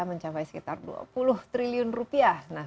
mencapai sekitar dua puluh triliun rupiah